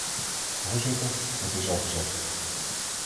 Voorzitter, het is al gezegd.